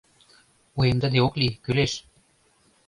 Уэмдыде ок лий, кӱлеш!